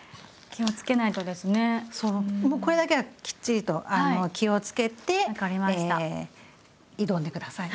もうこれだけはきっちりと気を付けて挑んで下さい。